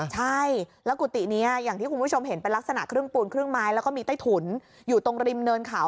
ใช่แล้วกุฏินี้อย่างที่คุณผู้ชมเห็นเป็นลักษณะครึ่งปูนครึ่งไม้แล้วก็มีใต้ถุนอยู่ตรงริมเนินเขา